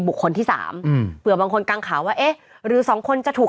บุคคลที่สามอืมเผื่อบางคนกังข่าวว่าเอ๊ะหรือสองคนจะถูก